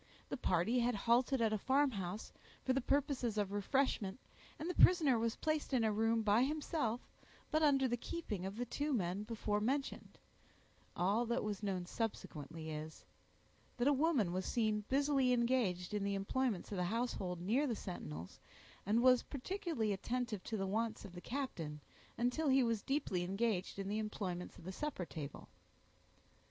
The party had halted at a farmhouse for the purposes of refreshment, and the prisoner was placed in a room by himself, but under the keeping of the two men before mentioned; all that was known subsequently is, that a woman was seen busily engaged in the employments of the household near the sentinels, and was particularly attentive to the wants of the captain, until he was deeply engaged in the employments of the supper table.